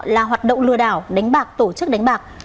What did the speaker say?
là hoạt động lừa đảo đánh bạc tổ chức đánh bạc